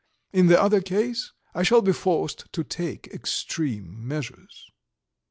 In the other case, I shall be forced to take extreme measures."